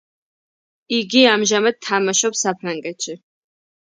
იგი ამჟამად თამაშობს საფრანგეთში.